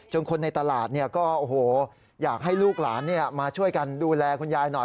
คนในตลาดก็อยากให้ลูกหลานมาช่วยกันดูแลคุณยายหน่อย